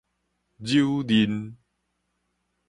蹂躪